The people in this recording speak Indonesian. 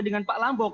dengan pak lambok